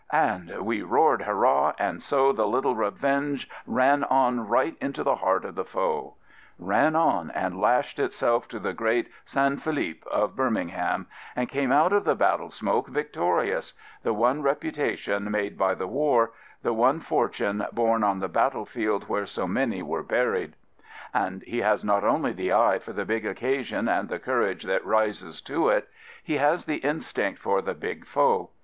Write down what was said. And We roared " Hurrah T' and so The little Revenge ran on right into the heart of the foe — ran on and lashed itself to the great San Philip of Birmingham, and came out of the battle smoke victorious — the one reputation made by the war, the one fortune born on the battlefield where so many were buried. And he has not only the eye for the big occasion and the courage that rises to it : he has the instinct for the big foe.